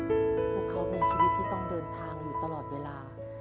พวกเขามีชีวิตที่ต้องเดินทางอยู่ตลอดเวลา